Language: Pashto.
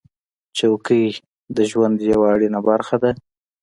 چوکۍ د ژوند یوه اړینه برخه ده.